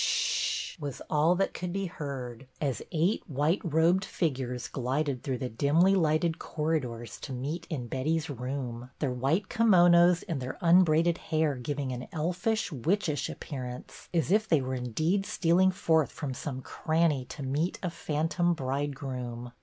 " Sh sh sh," was all that could be heard, as eight white robed figures glided through the dimly lighted corridors to meet in Betty's room, their white kimonos and their un braided hair giving an elfish, witchish appear ance, as if they were indeed stealing forth from some cranny to meet a phantom bride groom.